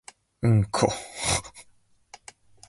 うんこ